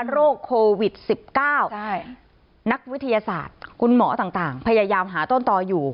โรคโควิด๑๙นักวิทยาศาสตร์คุณหมอต่างพยายามหาต้นต่ออยู่